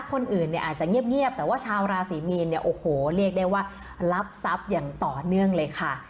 คนอื่นเนี่ยอาจจะเงียบแต่ว่าชาวราศีมีนเนี่ยโอ้โหเรียกได้ว่ารับทรัพย์อย่างต่อเนื่องเลยค่ะ